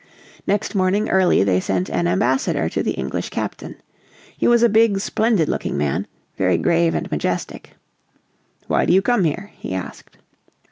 Next morning early they sent an ambassador to the English captain. He was a big, splendid looking man, very grave and majestic. "Why do you come here?" he asked.